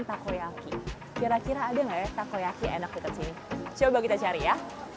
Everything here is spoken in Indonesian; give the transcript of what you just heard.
takoyaki kira kira ada enggak takoyaki enak kita sini coba kita cari ya satu ratus dua puluh tiga